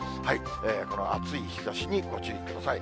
この暑い日ざしにご注意ください。